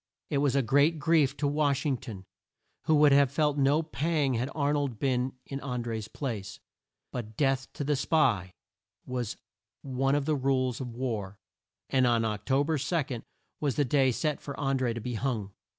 It was a great grief to Wash ing ton, who would have felt no pang had Ar nold been in An dré's place. But death to the spy! was one of the rules of war, and Oc to ber 2 was the day set for An dré to be hung.